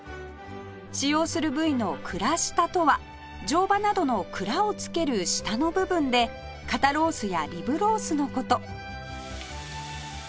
使用する部位の「くらした」とは乗馬などの鞍を付ける下の部分で肩ロースやリブロースの事